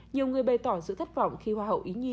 nhiều người bày tỏ sự thất vọng khi hoa hậu ý nhi